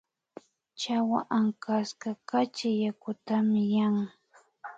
Chawa ankaska kachi yakutami yan